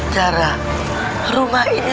zara rumah ini